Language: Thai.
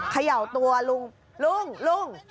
เขย่าตัวลุงลุงลุง